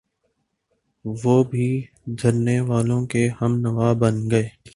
وہ بھی دھرنے والوں کے ہمنوا بن گئے۔